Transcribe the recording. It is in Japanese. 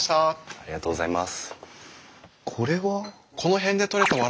ありがとうございます。